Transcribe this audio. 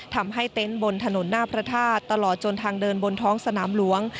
เต็นต์บนถนนหน้าพระธาตุตลอดจนทางเดินบนท้องสนามหลวง